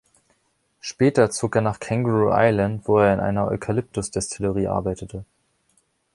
Später zog er nach Kangaroo Island, wo er in einer Eukalyptus-Destillerie arbeitete.